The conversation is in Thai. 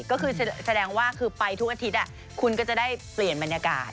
ก็คือแสดงว่าคือไปทุกอาทิตย์คุณก็จะได้เปลี่ยนบรรยากาศ